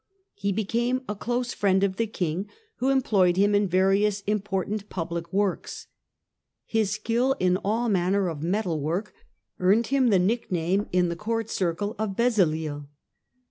He became a close friend of the king, who employed him in various important public works. His skill in all manner of metal work earned him the nickname, in the palace circle, of Bezaleel.